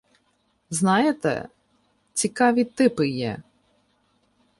Знаєте, цікаві типи є.